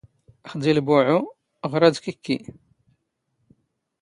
ⵅⴷⵉⵍ ⴱⵓⵄⵄⵓ, ⵖⵔⴰⴷ ⴽⵉⴽⴽⵉ